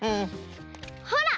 ほら！